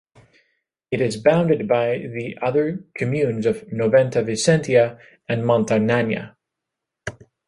It is bounded by the other communes of Noventa Vicentina and Montagnana.